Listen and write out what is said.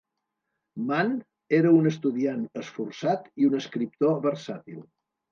Mann era un estudiant esforçat i un escriptor versàtil.